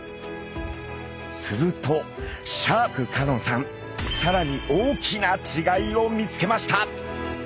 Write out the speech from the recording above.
するとシャーク香音さんさらに大きな違いを見つけました。